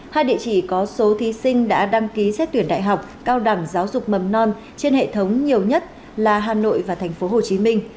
hai địa chỉ có số thí sinh đã đăng ký xét tuyển đại học cao đẳng giáo dục mầm non trên hệ thống nhiều nhất là hà nội và tp hcm